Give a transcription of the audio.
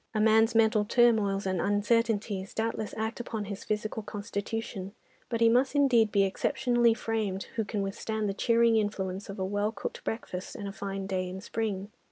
A man's mental turmoils and uncertainties doubtless act upon his physical constitution, but he must indeed be exceptionally framed who can withstand the cheering influence of a well cooked breakfast and a fine day in spring.